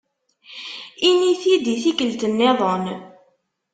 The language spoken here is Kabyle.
Ini-t-id i tikkelt-nniḍen.